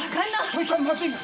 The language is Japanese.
そいつはまずいな。